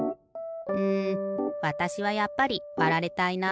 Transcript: うんわたしはやっぱりわられたいな。